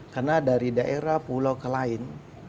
karena dari daerah pulau ke lain